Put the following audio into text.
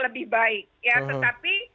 lebih baik ya tetapi